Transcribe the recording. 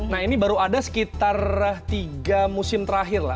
nah ini baru ada sekitar tiga musim terakhir lah